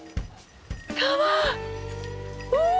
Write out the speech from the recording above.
川！